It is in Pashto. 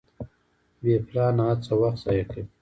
بې پلانه هڅه وخت ضایع کوي.